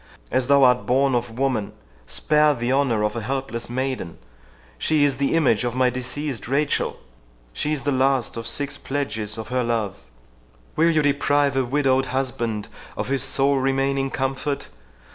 —As thou art born of woman, spare the honour of a helpless maiden—She is the image of my deceased Rachel, she is the last of six pledges of her love—Will you deprive a widowed husband of his sole remaining comfort?